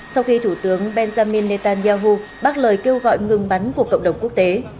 sau khi thủ tướng benjamin netanyahu bác lời kêu gọi ngừng bắn của cộng đồng quốc tế